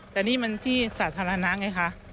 แต่นี่มันที่สาธารณะไงคะ